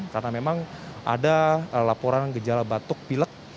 karena memang ada laporan gejala batuk pilek